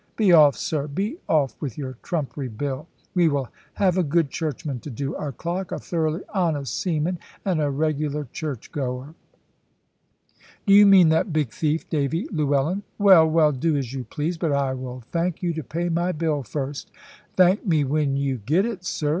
Be off, sir be off with your trumpery bill! We will have a good churchman to do our clock a thoroughly honest seaman, and a regular church goer." "Do you mean that big thief, Davy Llewellyn? Well, well, do as you please. But I will thank you to pay my bill first." "Thank me when you get it, sir.